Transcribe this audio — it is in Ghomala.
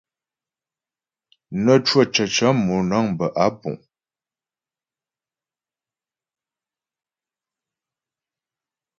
Nə́ cwə̂ cəcə̌ mònə̀ŋ bə́ á púŋ.